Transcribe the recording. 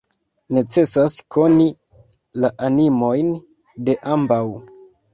Necesas koni la animojn de ambaŭ.